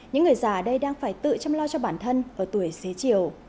những người già ở đây đang phải tự chăm lo cho bản thân ở tuổi xế chiều